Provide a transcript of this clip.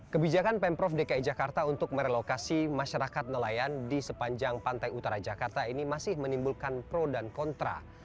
kebijakan pemprov dki jakarta untuk merelokasi masyarakat nelayan di sepanjang pantai utara jakarta ini masih menimbulkan pro dan kontra